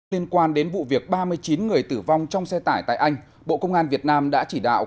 liên quan đến vụ việc ba mươi chín người tử vong trong xe tải tại anh bộ công an việt nam đã chỉ đạo